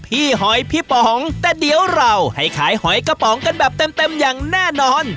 หอยพี่ป๋องแต่เดี๋ยวเราให้ขายหอยกระป๋องกันแบบเต็มอย่างแน่นอน